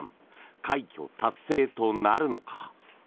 快挙達成となるのか。